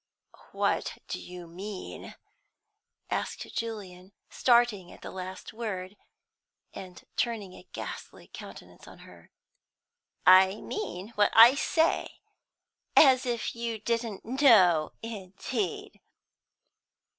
"What do you mean?" asked Julian, starting at the last word, and turning a ghastly countenance on her. "I mean what I say. As if you didn't know, indeed!"